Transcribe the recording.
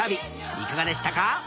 いかがでしたか？